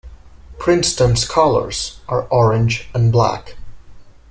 Princeton's colors are orange and black.